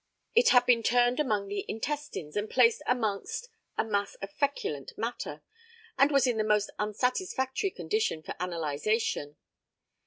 It had been turned among the intestines, and placed amongst a mass of feculent matter, and was in the most unsatisfactory condition for analysation.